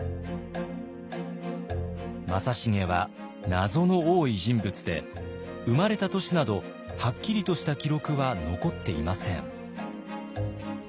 正成は謎の多い人物で生まれた年などはっきりとした記録は残っていません。